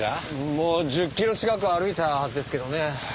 もう１０キロ近く歩いたはずですけどね。